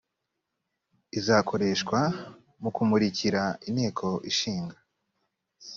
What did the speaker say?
izakoreshwa mu kumurikira inteko ishinga